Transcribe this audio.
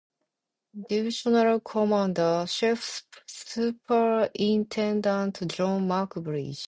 Divisional Commander: Chief Superintendent John McBride.